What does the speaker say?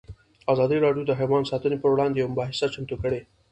ازادي راډیو د حیوان ساتنه پر وړاندې یوه مباحثه چمتو کړې.